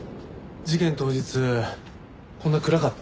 事件当日こんな暗かった？